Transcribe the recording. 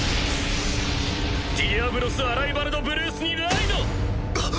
ディアブロスアライヴァルドブルースにライド！